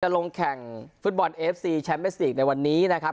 ลงแข่งฟุตบอลเอฟซีแชมป์เมสลีกในวันนี้นะครับ